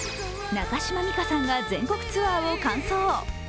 中島美嘉さんが全国ツアーを完走。